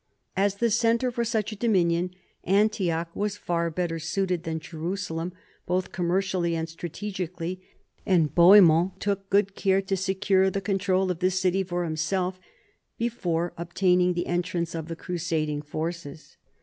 As the centre for such a dominion Antioch was far better suited than Jerusalem both commercially and strategically, and Bohemond took good care to secure the control of this city for himself before obtaining the entrance of the crusading forces.